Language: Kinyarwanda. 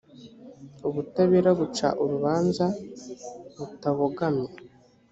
ubutabera buca urubanza butabogamye.